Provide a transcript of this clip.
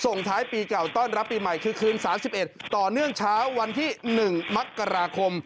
ส่งท้ายปีเก่าต้อนรับปีใหม่คือคืน๓๑ต่อเนื่องเช้าวันที่๑มกราคม